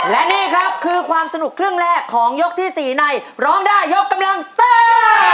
และนี่ครับคือความสนุกครึ่งแรกของยกที่๔ในร้องได้ยกกำลังซ่า